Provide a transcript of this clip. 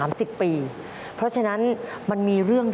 อันนี้เปลี่ยนไปหลายรอบแล้ว